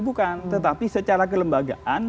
bukan tetapi secara kelembagaan